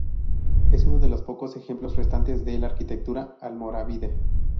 Es uno de los pocos ejemplos restantes de la arquitectura almorávide.